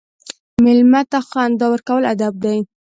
مېلمه ته خندا ورکول ادب دی.